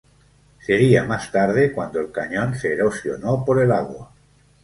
Sería más tarde cuando el cañón se erosionó por el agua.